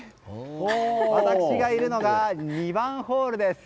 私がいるのが、２番ホールです。